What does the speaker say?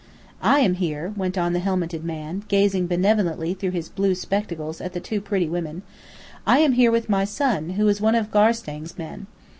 I am here," went on the helmeted man, gazing benevolently through his blue spectacles at the two pretty women, "I am here with my son, who is one of Garstang's men.